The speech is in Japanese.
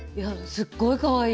すごい、かわいい。